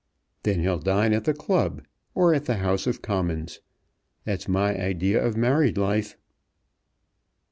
"Then he'll dine at the Club, or at the House of Commons. That's my idea of married life."